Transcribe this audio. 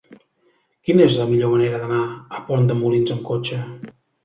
Quina és la millor manera d'anar a Pont de Molins amb cotxe?